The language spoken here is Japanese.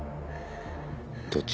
どっち？